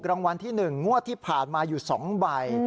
รางวัลที่๑งวดที่ผ่านมาอยู่๒ใบ